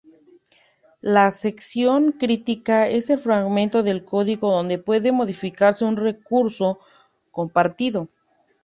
La sección crítica es el fragmento de código donde puede modificarse un recurso compartido.